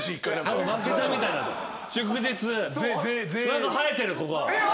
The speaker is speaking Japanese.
何か生えてるここ。